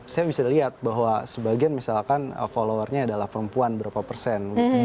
saya bisa lihat bahwa sebagian misalkan followernya adalah perempuan berapa persen